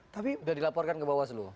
sudah dilaporkan ke bawah seluruh